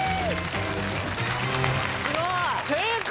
すごい！正解！